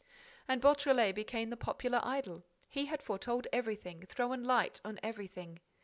And Beautrelet became the popular idol. He had foretold everything, thrown light on everything.